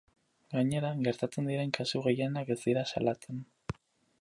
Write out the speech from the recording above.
Gainera, gertatzen diren kasu gehienak ez dira salatzen.